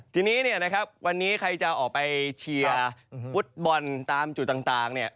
ทีนี้เนี่ยนะครับวันนี้ใครจะออกไปเชียร์ฟุตบอลตามจุดต่างเนี่ย